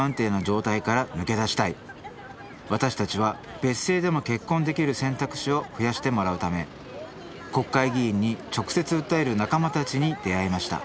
私たちは別姓でも結婚できる選択肢を増やしてもらうため国会議員に直接訴える仲間たちに出会いました。